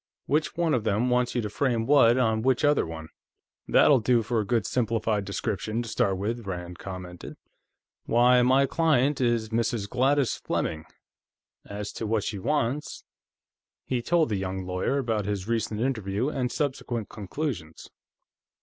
Which one of them wants you to frame what on which other one?" "That'll do for a good, simplified description, to start with," Rand commented. "Why, my client is Mrs. Gladys Fleming. As to what she wants...." He told the young lawyer about his recent interview and subsequent conclusions.